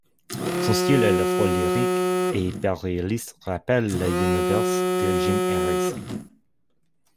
Son style à la fois lyrique et hyper réaliste rappelle l'univers de Jim Harrison.